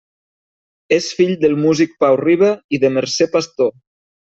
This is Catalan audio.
És fill del músic Pau Riba i de Mercè Pastor.